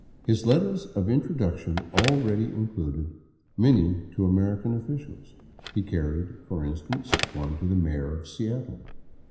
His letters of introduction already included many to American officials; he carried, for instance, one to the mayor of Seattle.